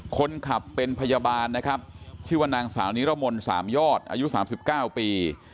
คนขับเป็นพยาบาลนะครับชื่อว่านางสาวนิรมนต์สามยอดอายุ๓๙ปี